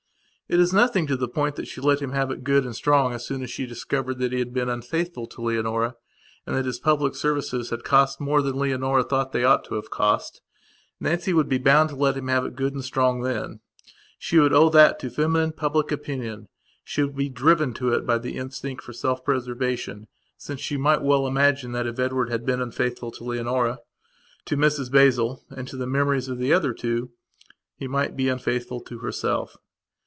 It is nothing to the point that she let him have it good and strong as soon as she discovered that he had been unfaithful to Leonora and that his public services had cost more than Leonora thought they ought to have cost. Nancy would be bound to let him have it good and strong then. She would owe that to feminine public opinion; she would be driven to it by the instinct for self preservation, since she might well imagine that if Edward had been unfaithful to Leonora, to Mrs Basil and to the memories of the other two, he might be unfaithful to herself.